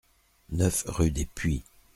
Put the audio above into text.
neuf rue des Puits-